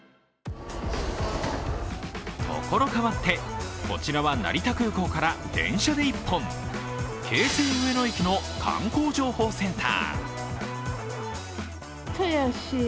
所変わって、こちらは成田空港から電車で１本、京成上野駅の観光情報センター。